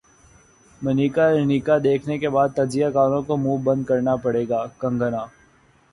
منیکارنیکا دیکھنے کے بعد تجزیہ کاروں کو منہ بند کرنا پڑے گا کنگنا